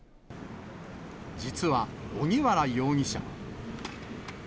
実は、荻原容疑者。